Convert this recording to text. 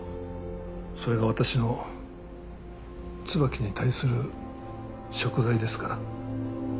それが私の椿に対する贖罪ですから。